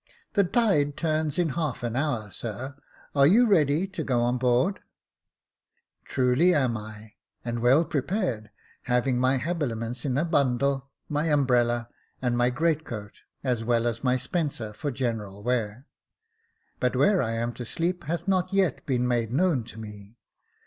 The tide turns in half an hour, sir ; are you ready to go on board ?"" Truly am I, and well prepared, having my habiliments in a bundle, my umbrella and my great coat, as well as my spencer for general wear. But where I am to sleep hath not yet been made known to me.